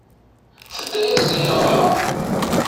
Tedda-yas di nneqma.